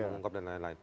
mengungkap dan lain lain